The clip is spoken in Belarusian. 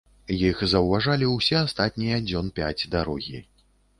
Іх заўважалі ўсе астатнія дзён пяць дарогі.